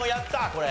これ。